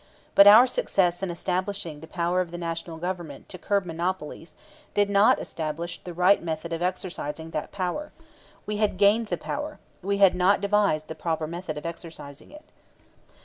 But our success in establishing the power of the National Government to curb monopolies did not establish the right method of exercising that power. We had gained the power. We had not devised the proper method of exercising it.